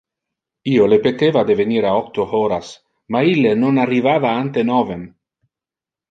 Io le peteva de venir a octo horas, ma ille non arrivava ante novem.